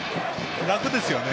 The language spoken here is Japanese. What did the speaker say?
楽ですよね。